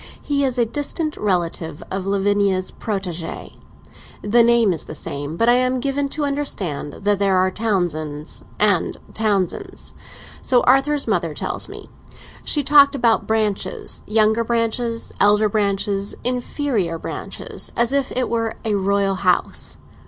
He is a distant relation of Lavinia's protégé. The name is the same, but I am given to understand that there are Townsends and Townsends. So Arthur's mother tells me; she talked about 'branches'—younger branches, elder branches, inferior branches—as if it were a royal house.